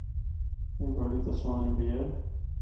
اے بڑی تے سہنڑی بھی اے۔